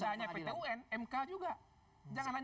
tidak hanya pt un mk juga jangan